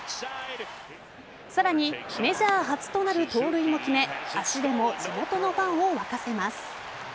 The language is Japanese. さらにメジャー初となる盗塁も決め足でも地元のファンを沸かせます。